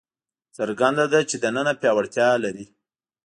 څرګنده ده چې دننه پیاوړتیا لري.